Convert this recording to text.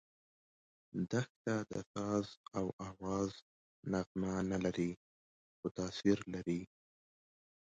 دښته د ساز او آواز نغمه نه لري، خو تاثیر لري.